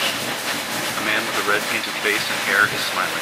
A man with a red painted face and hair is smiling.